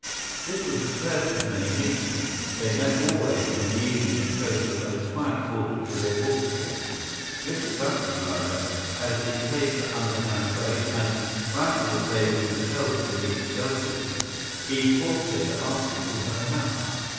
This was the first of many meetings; they met always in the evening and chose the most quiet quarters for their walks together. Mr Duffy, however, had a distaste for underhand ways and, finding that they were compelled to meet stealthily, he forced her to ask him to her house.